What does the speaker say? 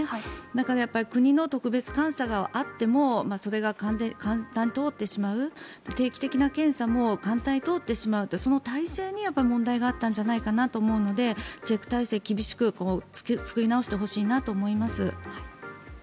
だから、国の特別監査があってもそれが簡単に通ってしまう定期的な検査も簡単に通ってしまうってその体制に問題があったんじゃないかと思うのでチェック体制を厳しく作り直してほしいなと思います。